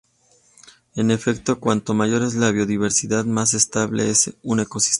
En efecto, cuanto mayor es la biodiversidad más estable es un ecosistema.